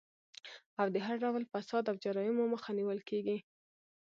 او د هر ډول فساد او جرايمو مخه نيول کيږي